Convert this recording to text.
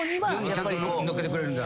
ちゃんと乗っけてくれるんだ？